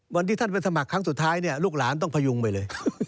วันที่ท่านไปสมัครครั้งสุดท้ายเนี่ยลูกหลานต้องพยุงไปเลย